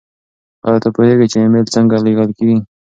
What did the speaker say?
ایا ته پوهېږې چې ایمیل څنګه لیږل کیږي؟